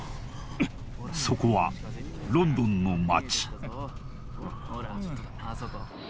そこはロンドンの街